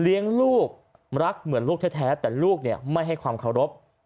เลี้ยงลูกรักเหมือนลูกแท้แต่ลูกเนี่ยไม่ให้ความเคารพ